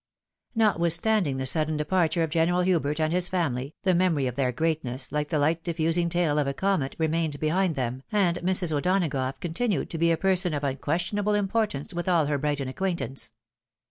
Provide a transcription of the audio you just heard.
NoTWiTHSTAJSDiNG the suddcn departure of General Hubert, and his family, the memory of their greatness, like the hght diffusing tail of a comet, remaind behind them, and Mrs. O'Dona gough continued to be a person of unquestionable importance with all her Brighton acquaintance.